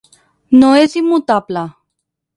No és immutable.